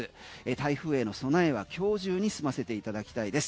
台風への備えは、今日中に済ませていただきたいです。